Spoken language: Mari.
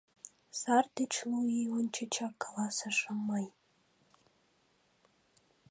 Сар деч лу ий ончычак, — каласышым мый.